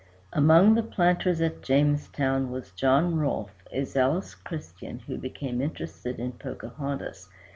Among the planters at Jamestown was John Rolfe, a zealous Christian, who became interested in Pocahontas.